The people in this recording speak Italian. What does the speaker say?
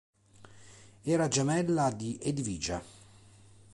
Era gemella di Edvige.